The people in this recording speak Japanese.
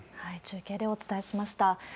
中継でお伝えしました。